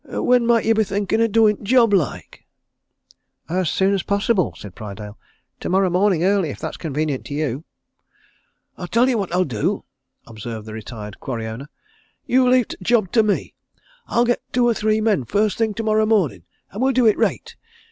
"When might you be thinkin' o' doin' t' job, like?" "As soon as possible," said Prydale. "Tomorrow morning, early, if that's convenient to you." "I'll tell you what I'll do," observed the retired quarry owner. "You leave t' job to me. I'll get two or three men first thing tomorrow morning, and we'll do it reight.